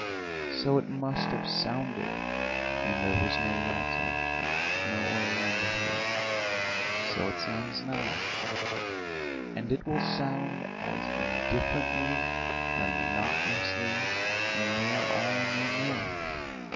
So it must have sounded when there was no Yalta, no Oreanda here; so it sounds now, and it will sound as indifferently and monotonously when we are all no more.